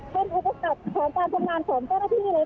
เป็นอุปสรรคของการทำงานของเจ้าหน้าที่เลย